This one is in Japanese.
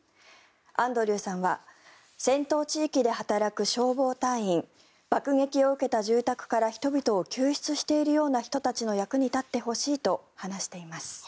アンドリューさんは戦闘地域で働く消防隊員爆撃を受けた住宅から人々を救出しているような人たちの役に立ってほしいと話しています。